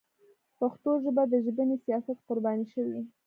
پښتو ژبه د ژبني سیاست قرباني شوې.